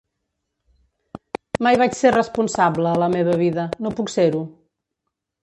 Mai vaig ser responsable a la meva vida, no puc ser-ho.